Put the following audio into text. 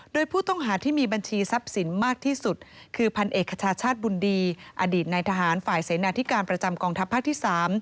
โดยผู้ต้องหาที่มีบัญชีทรัพย์สินมากที่สุดคือพันเอกคชาชาติบุญดีอดีตนายทหารฝ่ายเสนาธิการประจำกองทัพภาคที่๓